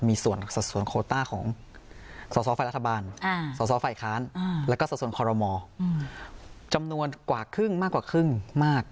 มีส่วนสัดส่วนโคต้าของสอสอฝ่ายรัฐบาลสอสอฝ่ายค้านแล้วก็สัดส่วนคอรมอจำนวนกว่าครึ่งมากกว่าครึ่งมาก